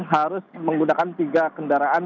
harus menggunakan tiga kendaraan